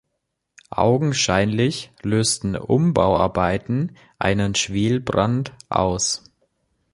Augenscheinlich lösten Umbauarbeiten einen Schwelbrand aus.